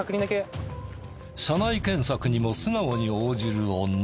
車内検索にも素直に応じる女。